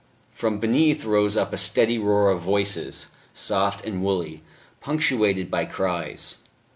From beneath rose up a steady roar of voices, soft and woolly, punctuated by cries.